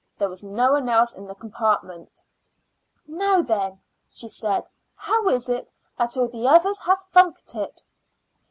There was no one else in the compartment. "Now then," she said, "how is it that all the others have funked it?"